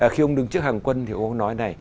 khi ông đứng trước hàng quân thì ông nói này